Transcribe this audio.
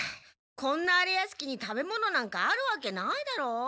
こんな荒れ屋敷に食べ物なんかあるわけないだろう。